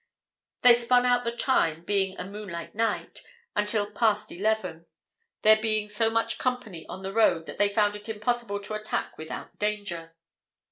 They spun out the time, being a moonlight night, until past eleven, there being so much company on the road that they found it impossible to attack without danger.